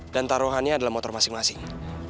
dan taruhannya adalah motor masing masing